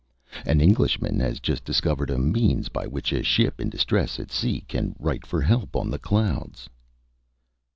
"An Englishman has just discovered a means by which a ship in distress at sea can write for help on the clouds."